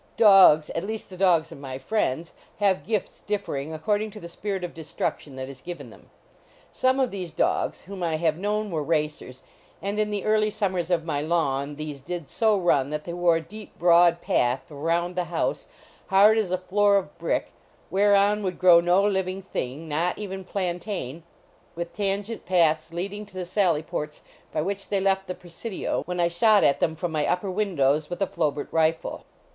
Dogs at least the dogs of my friends, have gifts differing ac cording to the spirit of destruction that is given them. Some of these dogs whom I have known were racers, and in the early summers of my lawn these did so run that they wore a deep, broad path around the house, hard as a floor of brick, whereon would grow no living thing, not even plantain, with tangent paths leading to the sally ports by which they left the Praesidio when I shot at them from my upper windows with a Flo bert rifle.